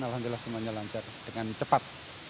alhamdulillah semuanya lancar dengan cepat